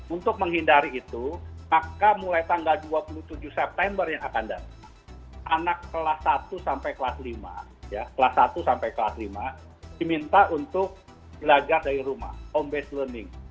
untuk menghindari itu maka mulai tanggal dua puluh tujuh september yang akan datang anak kelas satu sampai kelas lima kelas satu sampai kelas lima diminta untuk belajar dari rumah home based learning